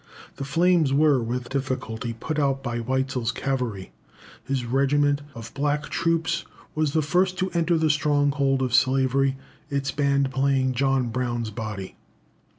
The flames were, with difficulty, put out by Weitzel's cavalry. His regiment of black troops was the first to enter the stronghold of slavery, its band playing "John Brown's Body."